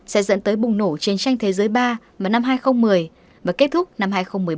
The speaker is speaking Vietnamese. sẽ dẫn tới bùng nổ chiến tranh thế giới ba vào năm hai nghìn một mươi và kết thúc năm hai nghìn một mươi bốn